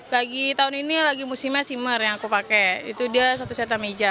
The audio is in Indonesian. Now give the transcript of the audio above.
lagi tahun ini lagi musimnya shimmer yang aku pakai itu dia satu set sama hijab